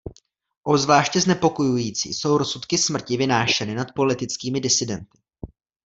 Obzvláště znepokojující jsou rozsudky smrti vynášeny nad politickými disidenty.